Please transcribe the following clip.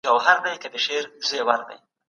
کله به د څېړني لارې ولټول سي؟